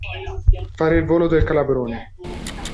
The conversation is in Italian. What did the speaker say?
Fare il volo del calabrone.